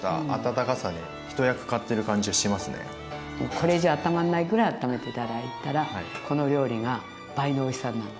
これ以上あったまんないぐらいあっためて頂いたらこのお料理が倍のおいしさになる。